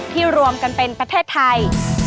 รวมกันเป็นประเทศไทย